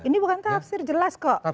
ini bukan tafsir jelas kok